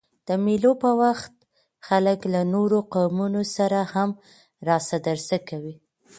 د مېلو پر وخت خلک له نورو قومونو سره هم راسه درسه کوي.